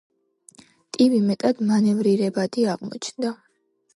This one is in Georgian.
ტივი მეტად მანევრირებადი აღმოჩნდა.